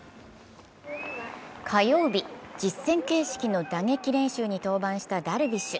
火曜日、実戦形式の打撃練習に登板したダルビッシュ。